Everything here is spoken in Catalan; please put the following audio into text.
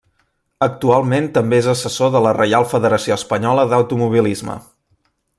Actualment també és assessor de la Reial Federació Espanyola d'Automobilisme.